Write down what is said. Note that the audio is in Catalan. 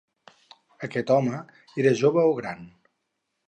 Aquest home era jove o gran?